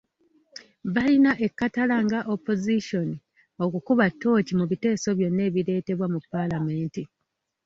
Balina ekkatala nga opozisoni okukuba ttooci mu biteeso byonna ebireetebwa mu Paalamenti .